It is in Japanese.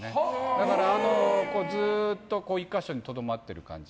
だからずっと１か所にとどまってる感じ。